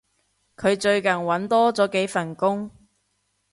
佢最近搵多咗幾份工